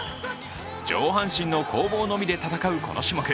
上半身の攻防のみで戦う、この種目。